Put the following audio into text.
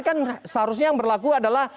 kan seharusnya yang berlaku adalah